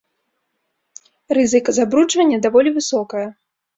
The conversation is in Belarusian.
Рызыка забруджвання даволі высокая.